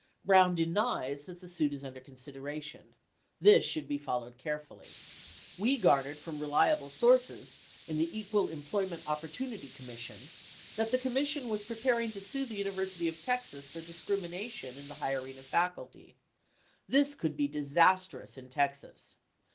Brown denies that the suit is under consideration. This should be followed carefully. We garnered from reliable sources in the. Equal Employ ment Opportunity Commission that the Commission was pre paring to sue the University of Texas for discrimination in the hiring of faculty. This could be disastrous in Texas.